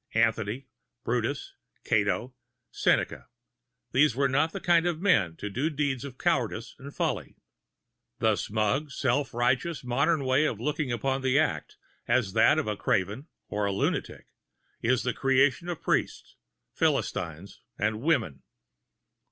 Antony, Brutus, Cato, Seneca these were not of the kind of men to do deeds of cowardice and folly. The smug, self righteous modern way of looking upon the act as that of a craven or a lunatic is the creation of priests, Philistines and women.